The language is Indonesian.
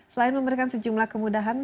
selain memberikan sejumlah kemudahan